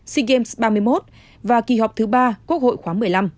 sea games ba mươi một và kỳ họp thứ ba quốc hội khóa một mươi năm